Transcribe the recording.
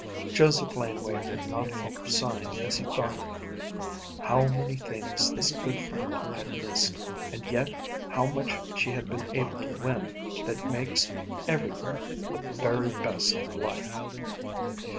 Joseph Laneway could not help sighing as he thought of it. How many things this good friend had missed, and yet how much she had been able to win that makes everywhere the very best of life!